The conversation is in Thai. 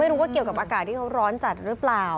ว่าเกี่ยวกับอากาศที่เขาร้อนจัดหรือเปล่า